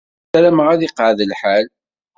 Sarameɣ ad iqeεεed lḥal.